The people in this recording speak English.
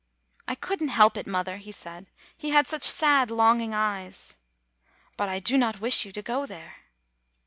"I could n't help it, mother," he said. ''He has such sad, longing eyes." "But I do not wish you to go there."